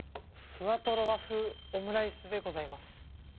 ふわとろ和風オムライスでございます。